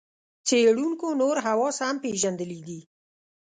څېړونکو نور حواس هم پېژندلي دي.